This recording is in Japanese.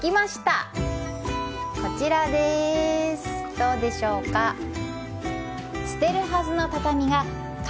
どうでしょうか。